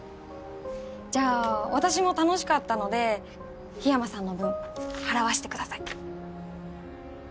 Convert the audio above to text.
じゃあ私も楽しかったので緋山さんの分払わせてください。